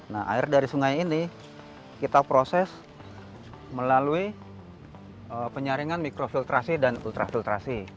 nah air dari sungai ini kita proses melalui penyaringan mikrofiltrasi dan ultrafiltrasi